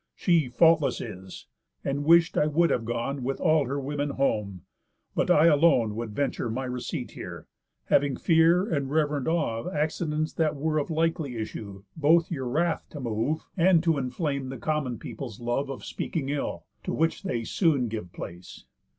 She faultless is, and wish'd I would have gone With all her women home, but I alone Would venture my receipt here, having fear And rev'rend awe of accidents that were Of likely issue; both your wrath to move, And to inflame the common people's love Of speaking ill, to which they soon give place.